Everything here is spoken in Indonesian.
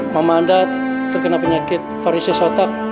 mama anda terkena penyakit varisis otak